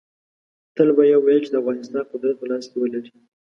تل به یې ویل چې د افغانستان قدرت په لاس کې ولري.